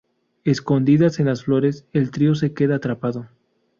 Escondidas en las flores, el trío se queda atrapado.